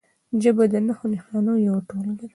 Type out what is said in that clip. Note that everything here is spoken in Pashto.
ژبه د نښو نښانو یوه ټولګه ده.